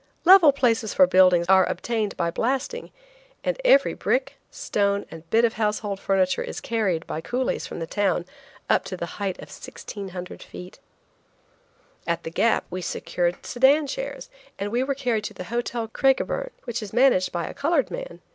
Level places for buildings are obtained by blasting, and every brick, stone, and bit of household furniture is carried by coolies from the town up to the height of 1,600 feet. At the Gap we secured sedan chairs, and were carried to the Hotel Craigiburn, which is managed by a colored man.